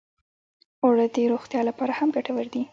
اوړه د روغتیا لپاره هم ګټور دي